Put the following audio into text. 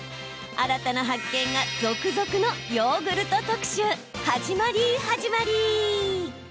新たな発見が続々のヨーグルト特集始まり、始まり。